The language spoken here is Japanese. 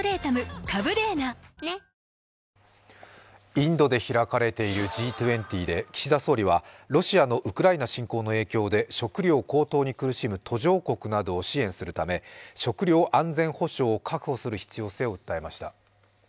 インドで開かれているＧ２０で岸田総理はロシアのウクライナ侵攻の影響で食料高騰に苦しむ途上国などを支援するため食料安全保障を確保する必要性を訴えました。